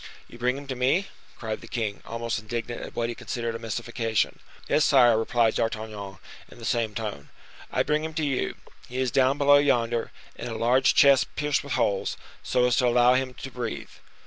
"You bring him to me!" cried the king, almost indignant at what he considered a mystification. "Yes, sire," replied D'Artagnan, in the same tone, "I bring him to you; he is down below yonder, in a large chest pierced with holes, so as to allow him to breathe."